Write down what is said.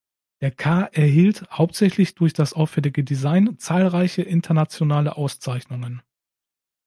Der Ka erhielt, hauptsächlich durch das auffällige Design, zahlreiche internationale Auszeichnungen.